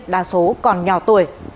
đa số còn nhỏ tuổi